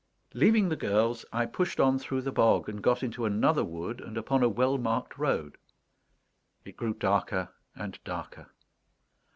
Leaving the girls, I pushed on through the bog, and got into another wood and upon a well marked road. It grew darker and darker.